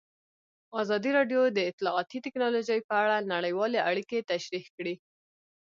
ازادي راډیو د اطلاعاتی تکنالوژي په اړه نړیوالې اړیکې تشریح کړي.